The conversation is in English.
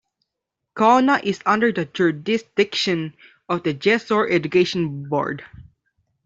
Khulna is under the jurisdiction of the Jessore Education Board.